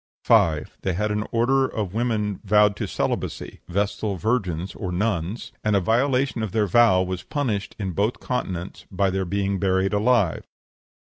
5. They had an order of women vowed to celibacy vestal virgins nuns; and a violation of their vow was punished, in both continents, by their being buried alive.